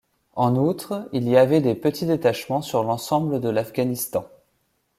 En outre, il y avait des petits détachements sur l'ensemble de l'Afghanistan.